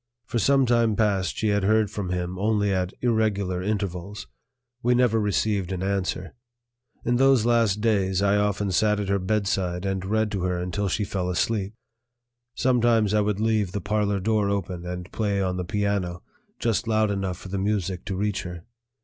For some time past she had heard from him only at irregular intervals; we never received an answer. In those last days I often sat at her bedside and read to her until she fell asleep. Sometimes I would leave the parlor door open and play on the piano, just loud enough for the music to reach her.